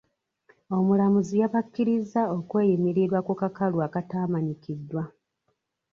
Omulamuzi yabakkirizza okweyimirirwa ku kakalu akataamanyikiddwa.